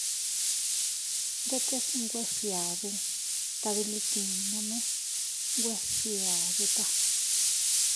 Ndetes nwe fgiadu, tadilitin nome nwe fgiaduta.